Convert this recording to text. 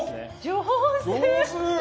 上手！